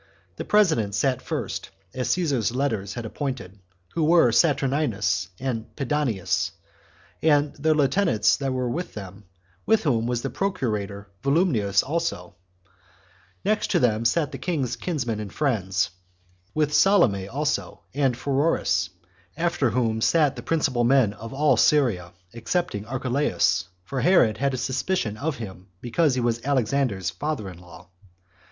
The presidents sat first, as Caesar's letters had appointed, who were Saturninus and Pedanius, and their lieutenants that were with them, with whom was the procurator Volumnius also; next to them sat the king's kinsmen and friends, with Salome also, and Pheroras; after whom sat the principal men of all Syria, excepting Archelaus; for Herod had a suspicion of him, because he was Alexander's father in law.